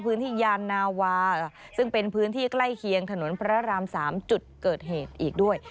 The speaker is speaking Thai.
ยานนาวาซึ่งเป็นพื้นที่ใกล้เคียงถนนพระราม๓จุดเกิดเหตุอีกด้วย